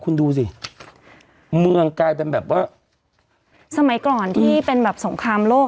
คุณดูสิเมืองกลายเป็นแบบว่าสมัยก่อนที่เป็นแบบสงครามโลก